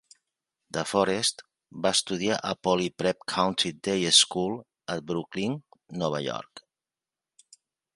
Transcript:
DeForest va estudiar a Poly Prep Country Day School a Brooklyn, Nova York.